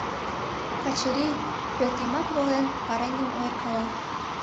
Качырий, пӧртйымак волен, пареҥгым ойыркала.